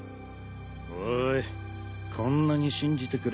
おいこんなに信じてくれてんだぞ？